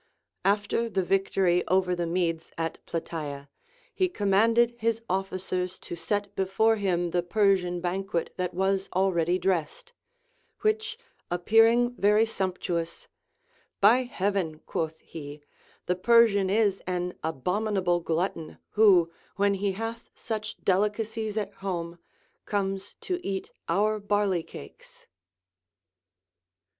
After the victory over the Medes at Plataea, he commanded his officers to set before him the Persian banquet that was already dressed ; w^hich appearing very sumptuous, By heaven, quoth he, the Persian is an abominable glutton, who, when he hath such delicacies at home, comes to eat our barley cakes.